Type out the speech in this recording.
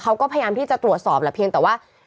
เขาก็พยายามที่จะตรวจสอบแหละเพียงแต่ว่า